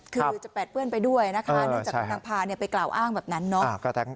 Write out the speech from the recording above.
คือจะแปดเปื้อนไปด้วยนะคะเนื่องจากนางพาไปกล่าวอ้างแบบนั้นเนาะ